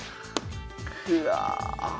くわ！